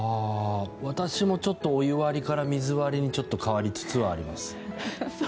私もちょっとお湯割りから水割りに変わりつつあります。